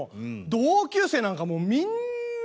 同級生なんかもうみんな同い年。